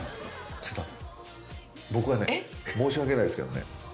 僕はね申し訳ないですけどね。